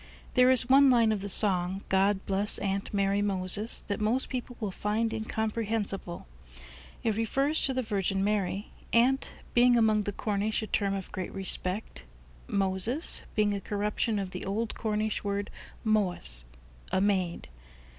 There is one line of the song, "God bless Aunt Mary Moses," that most people will find incomprehensible. It refers to the Virgin Mary, "Aunt" being among the Cornish a term of great respect; "Moses" being a corruption of the old Cornish word "Mowes," a maid.